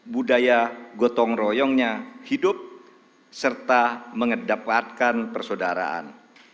budaya gotong royongnya hidup serta mengedapatkan persaudaraan